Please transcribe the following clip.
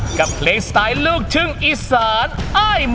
กับเพลงสไตล์ลูกชึ้งอีสานอ้ายมาส่งทาง